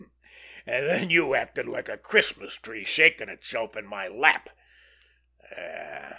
And then you acted like a Christmas tree shaking itself in my lap.